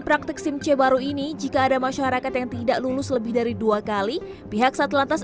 praktik simc baru ini jika ada masyarakat yang tidak lulus lebih dari dua kali pihak satlantas